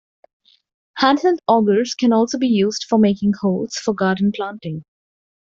Handheld augers can also be used for making holes for garden planting.